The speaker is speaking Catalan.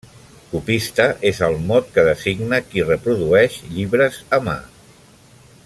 Copista és el mot que designa qui reprodueix llibres a mà.